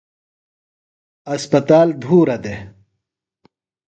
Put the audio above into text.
اسپتال دُھورہ دےۡ۔